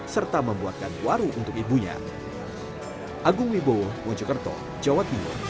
serta membuatkan warung untuk ibunya